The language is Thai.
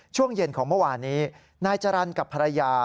ช่วงเย็นของเมื่อวานนี้นายจรรย์กับภรรยา